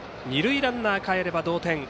二塁ランナーかえれば同点。